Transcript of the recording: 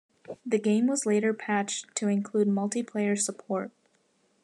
The game was later patched to include multiplayer support.